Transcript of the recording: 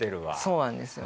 そうなんですよ。